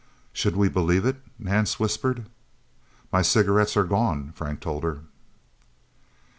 "Should we believe it?" Nance whispered. "My cigarettes are gone," Frank told her.